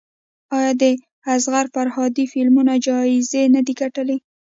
آیا د اصغر فرهادي فلمونه جایزې نه دي ګټلي؟